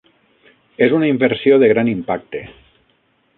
És una inversió de gran impacte.